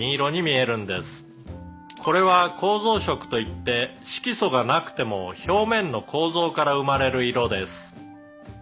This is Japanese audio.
「これは構造色といって色素がなくても表面の構造から生まれる色です」